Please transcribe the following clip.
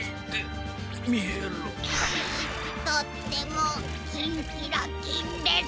とってもキンキラキンです。